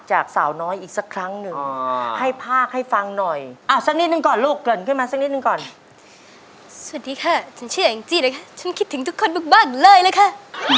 ฉันชื่อแองจี้เลยค่ะฉันคิดถึงทุกคนบ้างเลยล่ะค่ะ